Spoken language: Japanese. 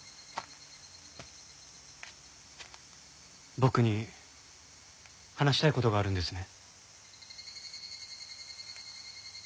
僕に話したい事があるんですね？